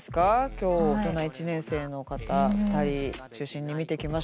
今日大人１年生の方２人中心に見てきましたけど。